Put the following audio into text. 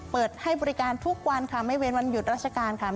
เปิดให้บริการทุกวันค่ะไม่เว้นวันหยุดราชการค่ะ